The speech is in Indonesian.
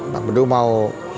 bang bedu mau